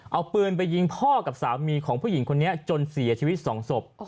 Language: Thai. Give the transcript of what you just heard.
เอาปืนไปยิงพ่อกับสามีของผู้หญิงคนนี้จนเสียชีวิตสองศพ